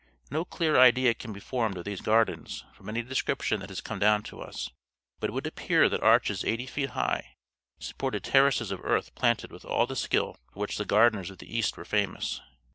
No clear idea can be formed of these gardens from any description that has come down to us, but it would appear that arches eighty feet high supported terraces of earth planted with all the skill for which the gardeners of the East were famous.